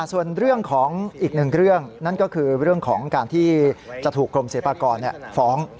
ส่วนเรื่องของอีกหนึ่งเรื่องนั่นก็คือเรื่องของการที่จะถูกกรมศิลปากรฟ้อง